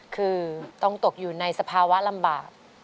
คือต้องตกอยู่ในสภาวะลำบาก